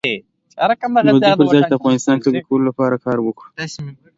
نو د دې پر ځای چې د افغانستان قوي کولو لپاره کار وکړو.